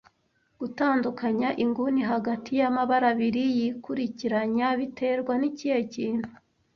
Gutandukanya inguni hagati yamabara abiri yikurikiranya biterwa nikihe kintu